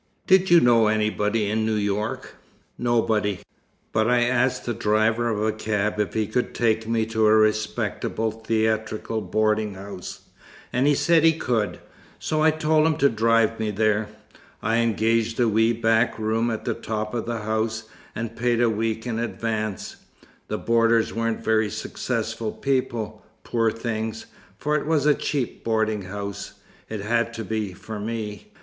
"Did you know anybody in New York?" "Nobody. But I asked the driver of a cab if he could take me to a respectable theatrical boarding house, and he said he could, so I told him to drive me there. I engaged a wee back room at the top of the house, and paid a week in advance. The boarders weren't very successful people, poor things, for it was a cheap boarding house it had to be, for me.